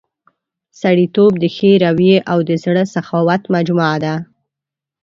سړیتوب د ښې رويې او د زړه سخاوت مجموعه ده.